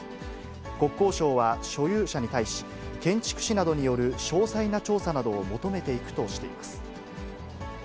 国交省は所有者に対し、建築士などによる詳細な調査などを求めていくとしています。